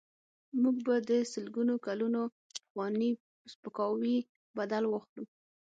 موږ به د سلګونو کلونو پخواني سپکاوي بدل واخلو.